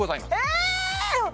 え